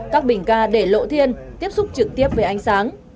các bình ca để lộ thiên tiếp xúc trực tiếp với ánh sáng